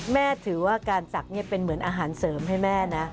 ถือว่าการศักดิ์เป็นเหมือนอาหารเสริมให้แม่นะ